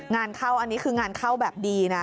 งานเข้าอันนี้คืองานเข้าแบบดีนะ